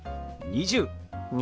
２０。